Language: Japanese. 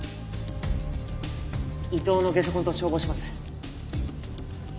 伊藤のゲソ痕と照合します。